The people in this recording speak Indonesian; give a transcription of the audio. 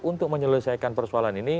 untuk menyelesaikan persoalan ini